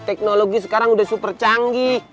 teknologi sekarang sudah super canggih